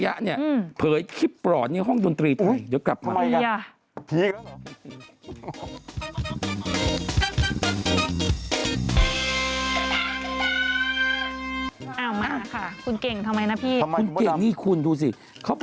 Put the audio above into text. เราพูดปากเขาไม่ตรงนะพี่นัก